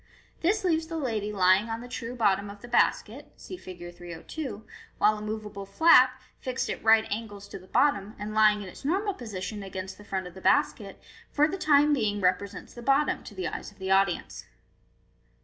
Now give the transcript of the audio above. This leaves the lady lying on the true bottom of the basket (see Fig. 302), while a moveable flap, fixed at right angles to the bottom, and lying in its normal position flat against the front of the basket, for the time being represents the bottom to the eyes of the audience.